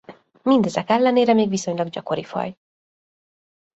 Mindezek ellenére még viszonylag gyakori faj.